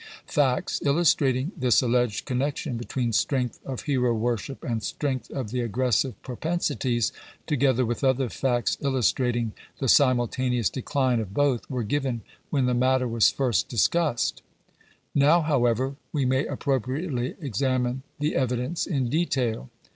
Facts illustrating this alleged connection between strength of hero worship and strength of the aggressive propensities, together with other facts illustrating the simultaneous decline of both, were given when the matter was first discussed (p. 197). Now, however, we may appropriately examine the evidence in detail.